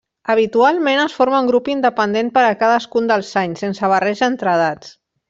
Habitualment es forma un grup independent per a cadascun dels anys, sense barreja entre edats.